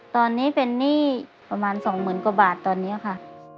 ตอนนี้เป็นหนี้ประมาณ๒๐๐๐กว่าบาทตอนนี้ค่ะ